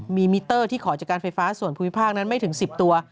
มีมิเตอร์ที่ขอจากการไฟฟ้าส่วนภูมิภาคนั้นไม่ถึง๑๐ตัว